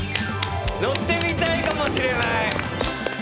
乗ってみたいかもしれない！